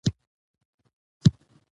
کروندګر د حاصل د راټولولو وخت ښه پېژني